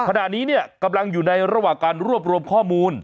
ขณะนี้เนี่ยกำลังอยู่ในระหว่างการรวบรวมข้อมูล